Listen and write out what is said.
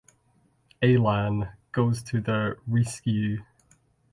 Alan goes to the rescue.